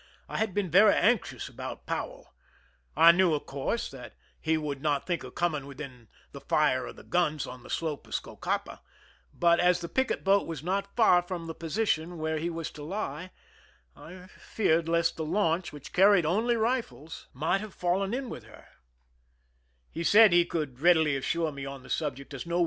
I had been very anx ious about Powell. I knew, of course, that he would not think of coming within the fire of the guns on the slope of Socapa, but as the picket boat was not far from the position where he was to lie, I feared lest the launch, which carried only rifles, might have 152 ^ fcn^^ IH ^^^S^^w' ^S ^^^^^^B' Kp ^^^^^^^^S/ i^^s ^^^^^^^^«^^^^a^ ^w ^i?